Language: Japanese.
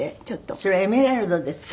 それエメラルドですか？